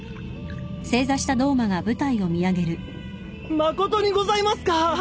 誠にございますか！